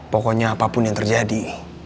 pokoknya apapun yang terjadi